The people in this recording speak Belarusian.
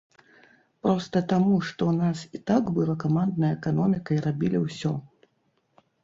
Проста таму, што ў нас і так была камандная эканоміка і рабілі ўсё.